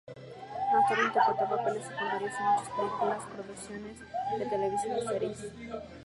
Más tarde interpretó papeles secundarios en muchas películas, producciones de televisión y series.